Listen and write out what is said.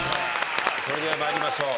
それでは参りましょう。